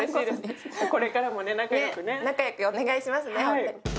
これからも仲良くお願いします。